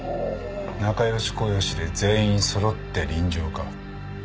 仲良しこよしで全員揃って臨場か。